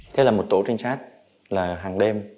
thế là một tổ trinh sát là hàng đêm